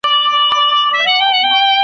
بس دا یو خوی مي د پښتنو دی .